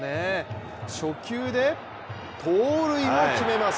初球で盗塁も決めます。